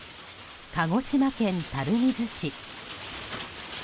鹿児島県垂水市。